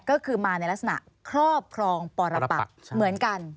ก็คือมาในลักษณะครอบครองปรปักเหมือนกัน